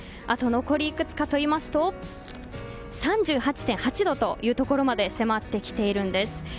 あと残りいくつかといいますと３８．８度というところまで迫ってきているんです。